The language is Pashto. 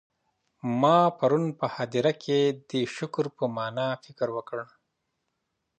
ما پرون په هدیره کي د شکر پر مانا فکر وکړی.